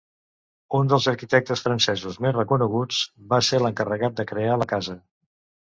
Un dels arquitectes francesos més reconeguts va ser l'encarregat de crear la casa.